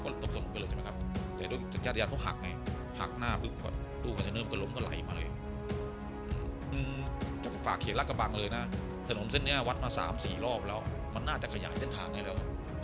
โดยจัดยาเขาหักไงหักหน้าพลิกเต้นก็ล้มก็ไหลมาเลยจัดฝากเขียนรักบังเลยนะสนมเส้นเนี้ยวัดมา๓๔รอบแล้วมันน่าจะขยายเช่นทางเลยแล้ว